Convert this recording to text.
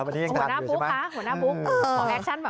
หัวหน้าปุ๊บคะหัวหน้าปุ๊บ